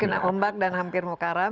kena ombak dan hampir mau karam